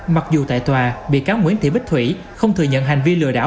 mặc dù tại tòa bị cáo nguyễn thị bích thủy không thừa nhận hành vi lừa đảo